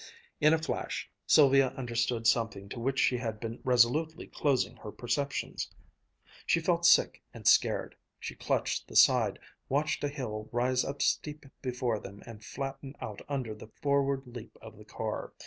In a flash Sylvia understood something to which she had been resolutely closing her perceptions. She felt sick and scared. She clutched the side, watched a hill rise up steep before them and flatten out under the forward leap of the car.